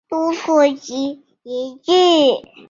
大陆和俄国都一度暂停进口。